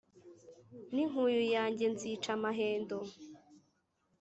n'inkuyu yanjye nzica amahendo.